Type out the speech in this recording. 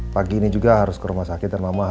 pagi ini juga harus ke rumah sakit dan ke rumah sakit